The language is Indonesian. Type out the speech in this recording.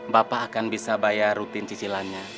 bapak akan bisa bayar rutin cicilannya